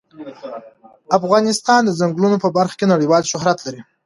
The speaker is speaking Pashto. افغانستان د ځنګلونه په برخه کې نړیوال شهرت لري.